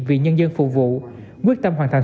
vì nhân dân phục vụ quyết tâm hoàn thành